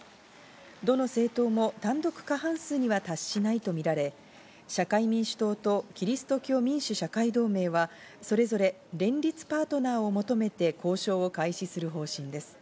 どの政党も単独過半数には達しないとみられ、社会民主党とキリスト教民主・社会同盟は、それぞれ連立パートナーを求めて交渉を開始する方針です。